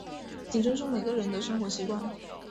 请尊重每个人的生活习惯。